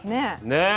ねえ。